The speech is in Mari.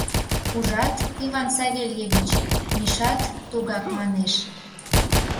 — Ужат, Иван Савельевич, Мишат тугак манеш.